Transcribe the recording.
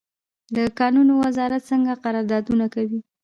د کانونو وزارت څنګه قراردادونه کوي؟